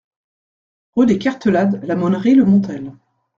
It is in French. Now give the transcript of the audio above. Rue des Cartelades, La Monnerie-le-Montel